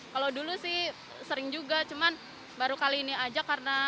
kalau dulu sih sering juga cuma baru kali ini aja karena